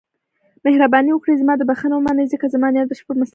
مهرباني وکړئ زما دا بښنه ومنئ، ځکه زما نیت بشپړ مسلکي و.